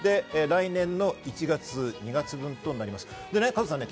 来年の１月、２月分となります。